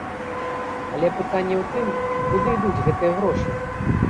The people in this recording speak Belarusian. Але пытанне ў тым, куды ідуць гэтыя грошы?